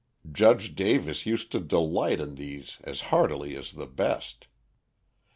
Judge Davis used to delight in these as heartily as the best.